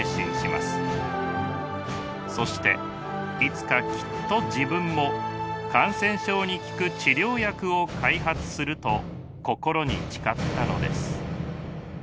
そしていつかきっと自分も感染症に効く治療薬を開発すると心に誓ったのです。